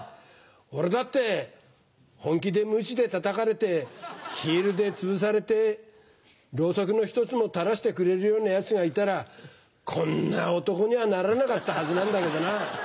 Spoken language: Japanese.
俺だって本気でムチでたたかれてヒールでつぶされてろうそくのひとつも垂らしてくれるような奴がいたらこんな男にはならなかったはずなんだけどな。